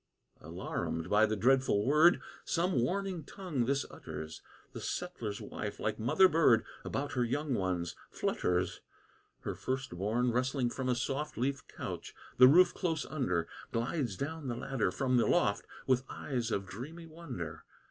Alarumed by the dreadful word Some warning tongue thus utters, The settler's wife, like mother bird, About her young ones flutters. Her first born, rustling from a soft Leaf couch, the roof close under, Glides down the ladder from the loft, With eyes of dreamy wonder.